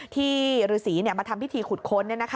ที่ฤษีมาทำพิธีขุดค้น